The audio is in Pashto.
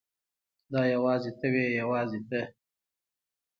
دا یوازې ته وې یوازې ته.